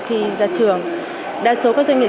khi ra trường đa số các doanh nghiệp